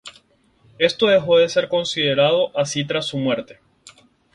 Esto dejó de ser considerado así tras su muerte.